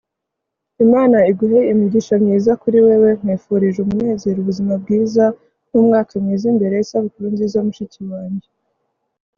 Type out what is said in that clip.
imana iguhe imigisha myiza kuri wewe. nkwifurije umunezero, ubuzima bwiza numwaka mwiza imbere. isabukuru nziza mushiki wanjye